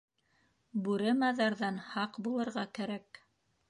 Бүре-маҙарҙан һаҡ булырға кәрәк.